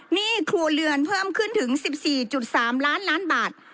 หนี้ครัวเรือนเพิ่มขึ้นถึง๑๔๓ล้านล้านบาท